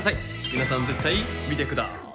皆さん絶対見て下さい。